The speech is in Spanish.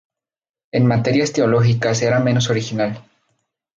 En materias teológicas era menos original.